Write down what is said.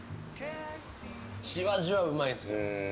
じわじわうまいです。